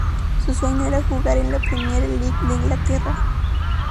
Su sueño era jugar en la Premier League de Inglaterra.